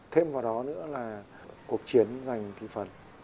thêm vào đó nữa là cuộc chiến dành phần